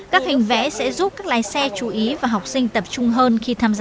các hình vẽ sẽ giúp các lái xe chú ý và học sinh tập trung hơn